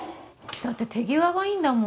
だって手際がいいんだもん。